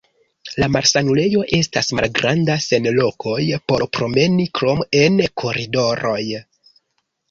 La malsanulejo estas malgranda, sen lokoj por promeni krom en koridoroj.